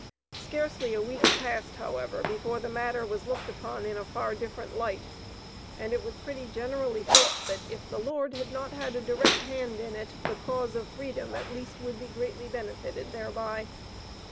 Scarcely a week passed, however, before the matter was looked upon in a far different light, and it was pretty generally thought that, if the Lord had not a direct hand in it, the cause of Freedom at least would be greatly benefited thereby.